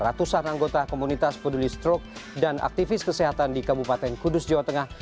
ratusan anggota komunitas peduli stroke dan aktivis kesehatan di kabupaten kudus jawa tengah